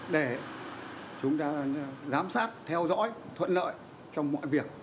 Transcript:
để chúng ta giám sát theo dõi thuận lợi trong mọi việc